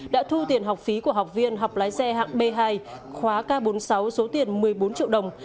đã thu tiền học phí của học viên học lái xe hạng b hai khóa k bốn mươi sáu số tiền một mươi bốn triệu đồng